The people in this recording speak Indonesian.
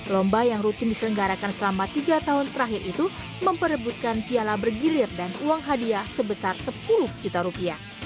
lomba yang rutin diselenggarakan selama tiga tahun terakhir itu memperebutkan piala bergilir dan uang hadiah sebesar sepuluh juta rupiah